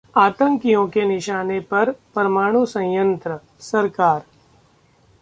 आतंकियों के निशाने पर परमाणु संयंत्र: सरकार